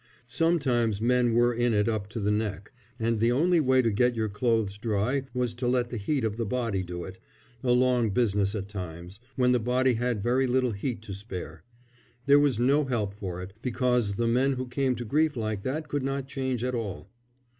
Sometimes men were in it up to the neck, and the only way to get your clothes dry was to let the heat of the body do it a long business at times, when the body had very little heat to spare. There was no help for it, because the men who came to grief like that could not change at all.